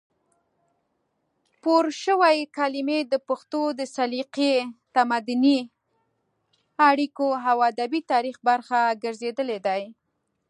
پورشوي کلمې د پښتو د سلیقې، تمدني اړیکو او ادبي تاریخ برخه ګرځېدلې دي،